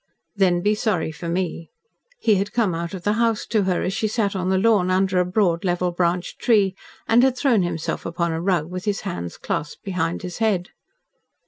"Then be sorry for me." He had come out of the house to her as she sat on the lawn, under a broad, level branched tree, and had thrown himself upon a rug with his hands clasped behind his head.